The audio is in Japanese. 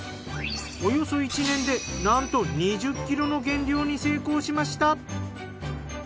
およそ１年でなんと２０ｋｇの減量に成功しました。